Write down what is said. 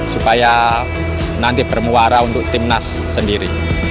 supaya nanti bermuara untuk tim nas sendiri